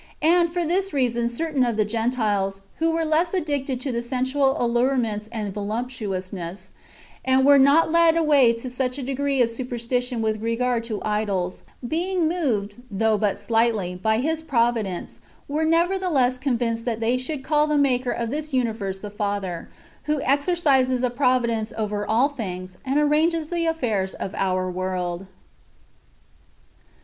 And, for this reason, certain of the Gentiles, who w^ere less addicted to [sensual] allurements and voluptuousness, and were not led away to such a degree of superstition with regard to idols, being moved, though but slightly, by His providence, were nevertheless convinced that they should call the Maker of this universe the Father, who exercises a providence over all things, and arranges the affairs of our world.